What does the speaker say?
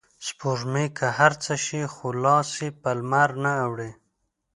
سپوږمۍ که هر څه شي خو لاس یې په لمرنه اوړي